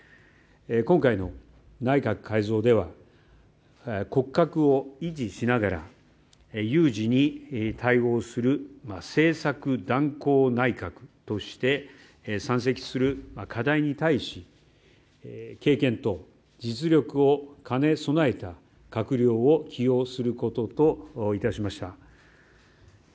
今回の内閣改造では骨格を維持しながら有事に対応する政策断行内閣として山積する課題に対し経験と実力を兼ね備えた閣僚を起用することといたしました。